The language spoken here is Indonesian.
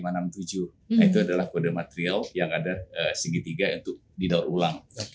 nah itu adalah kode material yang ada segitiga untuk didaur ulang